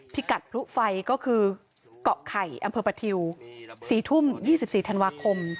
พิกัดพลุไฟก็คือเกาะไข่อำเภอประทิว๔ทุ่ม๒๔ธันวาคม